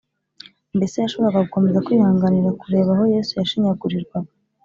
mbese yashoboraga gukomeza kwihanganira kureba aho yesu yashinyagurirwaga